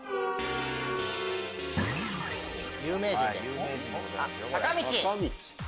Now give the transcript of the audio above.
有名人です。